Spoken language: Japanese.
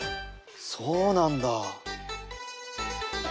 そうなんだ。